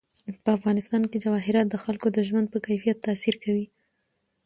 په افغانستان کې جواهرات د خلکو د ژوند په کیفیت تاثیر کوي.